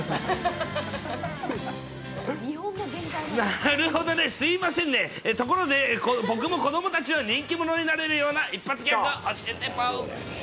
なるほどね、すみませんね、ところで僕も子どもたちの人気者になれるような一発ギャグ、教えてボー。